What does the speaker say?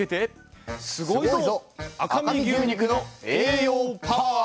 「すごいゾ！赤身牛肉の栄養パワー！！」。